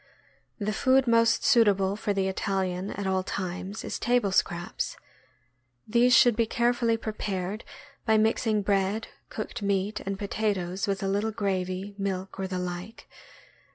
The food most suitable for the Italian, .at all times, is table scraps. These should be carefully prepared by mix ing bread, cooked meat, and potatoes with a little gravy, milk, or the like.